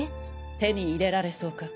手に入れられそうか？